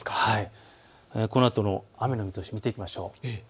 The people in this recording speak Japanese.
このあとの雨の見通し見ていきましょう。